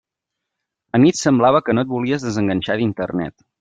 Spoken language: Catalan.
Anit semblava que no et volies desenganxar d'Internet!